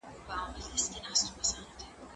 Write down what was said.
زه اجازه لرم چي موټر کار کړم